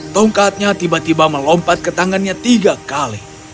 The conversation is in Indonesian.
tongkatnya tiba tiba melompat ke tangannya tiga kali